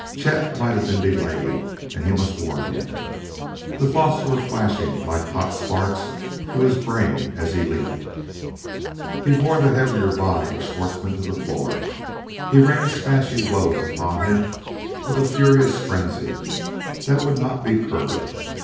Chet might have been delayed, and he must warn him.... The thoughts were flashing like hot sparks through his brain as he leaped. He bore the heavier body of Schwartzmann to the floor. He rained smashing blows upon him with a furious frenzy that would not be curbed.